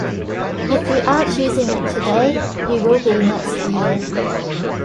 If you aren't using it today, you will be next year.